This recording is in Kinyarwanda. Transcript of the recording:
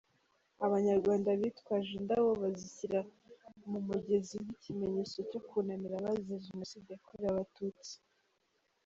Abanyarwanda bitwaje indabo bazishyira mu mugezi nk'ikimenyetso cyo kunamira abazize Jenoside yakorewe Abatutsi .